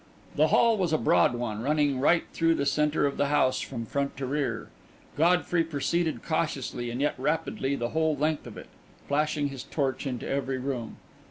The hall was a broad one, running right through the centre of the house from front to rear. Godfrey proceeded cautiously and yet rapidly the whole length of it, flashing his torch into every room.